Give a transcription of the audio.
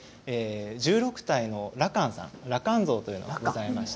１６体の羅漢さん羅漢像というのがございまして。